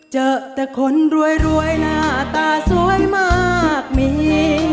เจอแต่คนรวยหน้าตาสวยมากมี